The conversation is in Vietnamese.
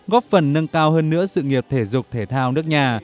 góp phần nâng cao hơn nữa sự nghiệp thể dục thể thao nước nhà